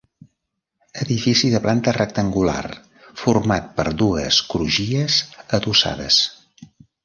Edifici de planta rectangular format per dues crugies adossades.